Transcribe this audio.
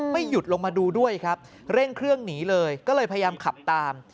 ไม่หยุดลงมาดูด้วยครับเร่งเครื่องหนีเลยก็เลยพยายามขับตาม